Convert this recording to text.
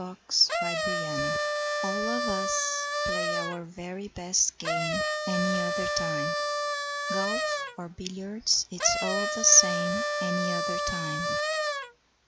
Any Other Time All of us play our very best game Any other time. Golf or billiards, it's all the same Any other time.